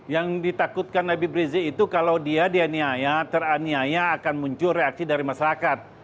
yang ditakutkan habib rizik itu kalau dia dianiaya teraniaya akan muncul reaksi dari masyarakat